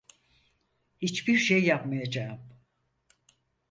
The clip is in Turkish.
Hiçbir şey yapmayacağım.